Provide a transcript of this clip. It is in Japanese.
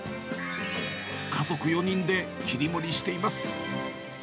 家族４人で切り盛りしています。